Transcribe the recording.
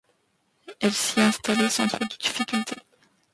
Il s’y est installé sans trop de difficultés.